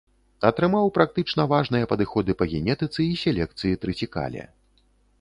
Атрымаў практычна важныя падыходы па генетыцы і селекцыі трыцікале.